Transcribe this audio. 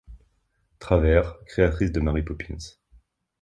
Travers, créatrice de Mary Poppins.